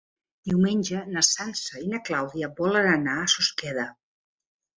Diumenge na Sança i na Clàudia volen anar a Susqueda.